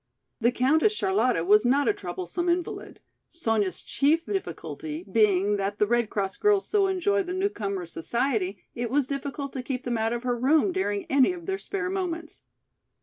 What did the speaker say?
The Countess Charlotta was not a troublesome invalid, Sonya's chief difficulty being that the Red Cross girls so enjoyed the newcomer's society it was difficult to keep them out of her room during any of their spare moments.